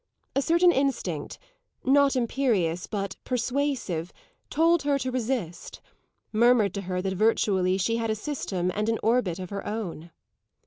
A certain instinct, not imperious, but persuasive, told her to resist murmured to her that virtually she had a system and an orbit of her own.